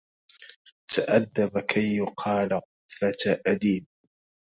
تأدب كي يقال فتى أديب